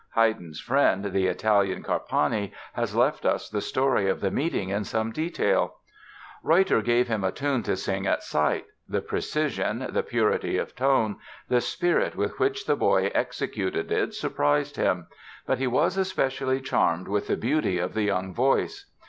Haydn's friend, the Italian Carpani, has left us the story of the meeting in some detail: "Reutter gave him a tune to sing at sight. The precision, the purity of tone, the spirit with which the boy executed it surprised him; but he was especially charmed with the beauty of the young voice.